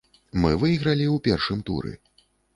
Мы выйгралі ў першым туры.